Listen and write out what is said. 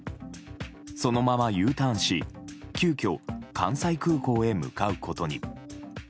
そのままＵターンし急きょ関西空港へ向かうことに。